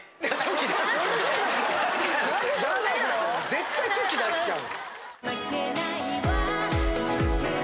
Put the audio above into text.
絶対チョキ出しちゃう。